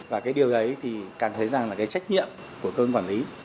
và cái điều đấy thì càng thấy rằng là cái trách nhiệm của cơ quan quản lý